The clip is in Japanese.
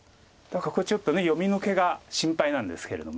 これちょっと読み抜けが心配なんですけれども。